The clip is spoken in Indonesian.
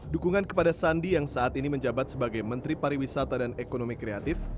dukungan kepada sandi yang saat ini menjabat sebagai menteri pariwisata dan ekonomi kreatif